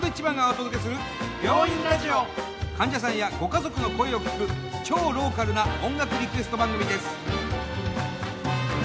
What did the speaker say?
患者さんやご家族の声を聞く超ローカルな音楽リクエスト番組です。